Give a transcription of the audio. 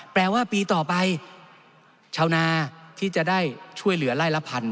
แปลว่าปีต่อไปชาวนาที่จะได้ช่วยเหลือไล่ละพัน